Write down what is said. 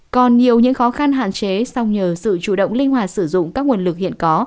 còn nhiều những khó khăn hạn chế song nhờ sự chủ động linh hoạt sử dụng các nguồn lực hiện có